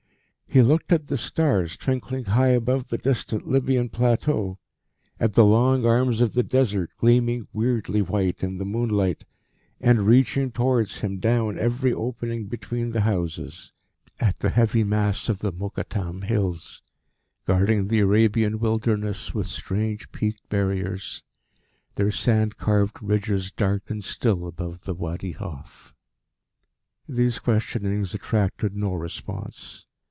He looked at the stars twinkling high above the distant Libyan Plateau; at the long arms of the Desert, gleaming weirdly white in the moonlight, and reaching towards him down every opening between the houses; at the heavy mass of the Mokattam Hills, guarding the Arabian Wilderness with strange, peaked barriers, their sand carved ridges dark and still above the Wadi Hof. These questionings attracted no response.